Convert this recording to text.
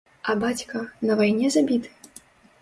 А бацька, на вайне забіты?!